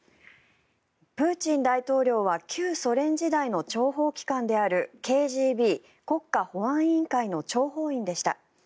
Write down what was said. プーチン大統領は旧ソ連時代の諜報機関であるＫＧＢ・国家保安委員会の諜報員でした。